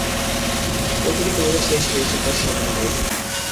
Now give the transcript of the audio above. প্রতিটি কবিতা শেষ হয়েছে তাঁর স্মরণ নিয়ে।